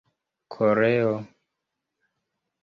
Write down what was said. koreo